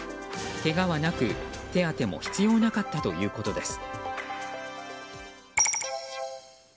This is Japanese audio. けがはなく、手当ても必要なかったということです。